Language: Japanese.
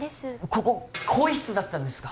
ここ更衣室だったんですか？